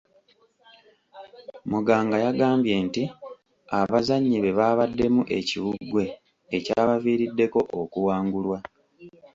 Muganga yagambye nti abazannyi be baabaddemu ekiwuggwe ekyabaviiriddeko okuwangulwa.